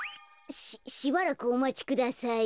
しばらくおまちください。